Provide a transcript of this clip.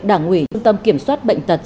đảng ủy trung tâm kiểm soát bệnh tật